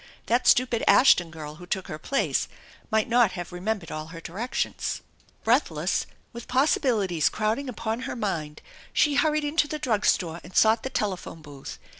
That stupid Ashton girl who took her place might not have remembered all her directions. Breathless, with possibilities crowding upon her mind, she hurried into the drug store and sought the telephone booth.